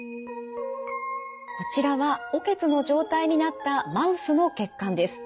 こちらは血の状態になったマウスの血管です。